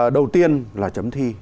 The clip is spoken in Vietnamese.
đầu tiên là chấm thi